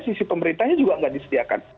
sisi pemerintahnya juga nggak disediakan